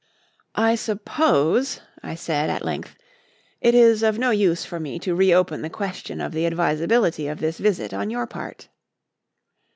"I suppose," I said at length, "it is of no use for me to re open the question of the advisability of this visit on your part?"